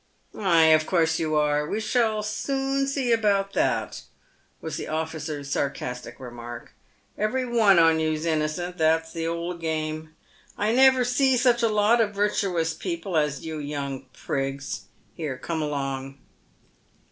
" Ay, of course you are. "We shall soon see about that," was the officer's sarcastic remark. " Every one on you's innocent. That's the old game. I never see such a lot of virtuous people as you young prigs. Here, come along."